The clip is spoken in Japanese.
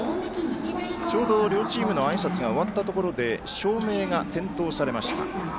ちょうど両チームのあいさつが終わったところで照明が点灯されました。